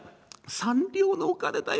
三両のお金だよ。